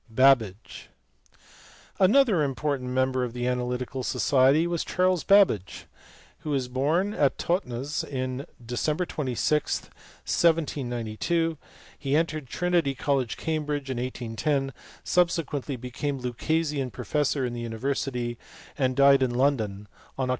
Babbage. Another important member of the Analytical Society was Charles Babbage, who was born at Totnes on Dec. 26, 1792; he entered at Trinity College, Cambridge, in 1810; subsequently became Lucasian professor in the univer sity; and died in London on Oct.